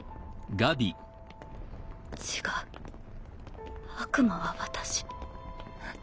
違う悪魔は私。